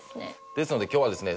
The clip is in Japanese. ですので今日はですね